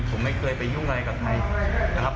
ผมไม่เคยไปยุ่งอะไรกับใครนะครับ